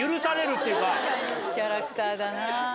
キャラクターだな。